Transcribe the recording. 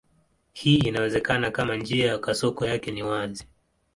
Hii inawezekana kama njia ya kasoko yake ni wazi.